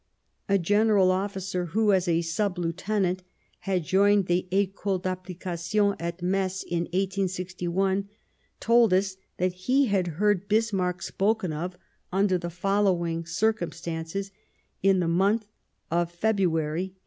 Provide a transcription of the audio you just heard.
A general officer who, as a sub lieutenant, had joined the Ecole d' Application at Metz in 1861, told us that he had heard Bismarck spoken of under the following circumstances in the month of February 1862.